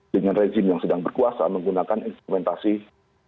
dengan rejim yang sedang berkuasa menggunakan instrumentasi